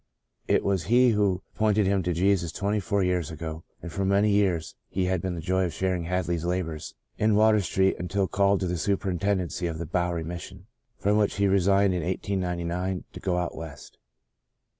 It was he who pointed him to Jesus twenty four years ago and for many years he had the joy of sharing Hadley's labours in Water Street until called to the superintendency of the Bowery Mission from which he resigned in 1899 to go out West.